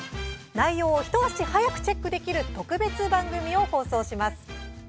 内容を一足早くチェックできる特別番組を放送します。